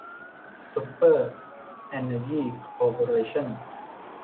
ซุปเปอร์ เอนเนอร์ยี คอร์เปอเรชั่น